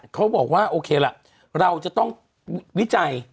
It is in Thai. เขาบอกว่าโอเคล่ะเราจะต้องวิจัย